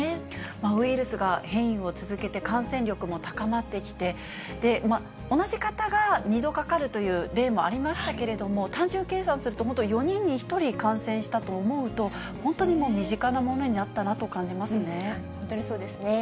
ウイルスが変異を続けて、感染力も高まってきて、同じ方が２度かかるという例もありましたけれども、単純計算すると、本当４人に１人が感染したと思うと、本当に身近なものになったな本当にそうですね。